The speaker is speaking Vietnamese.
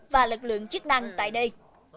và lực lượng chức năng tại đây